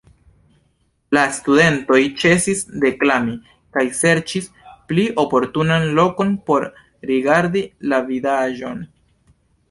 La studentoj ĉesis deklami kaj serĉis pli oportunan lokon por rigardi la vidaĵon.